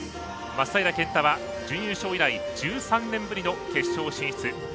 松平健太は準優勝以来１３年ぶりの決勝進出。